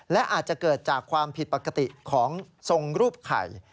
และอาจจะเกิดจากความผิดปกติของทรงรูปไข่